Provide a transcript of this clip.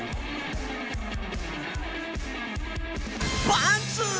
パンツ！